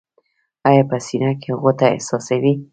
ایا په سینه کې غوټه احساسوئ؟